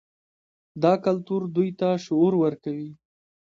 دا کلتور دوی ته شعور ورکوي.